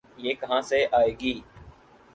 یہ کہاں سے آئے گی؟